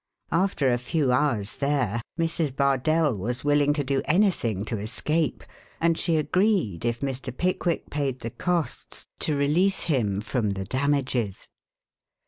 After a few hours there, Mrs. Bardell was willing to do anything to escape, and she agreed if Mr. Pickwick paid the costs, to release him from the damages.